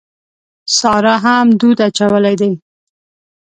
سارا هم دود اچولی دی.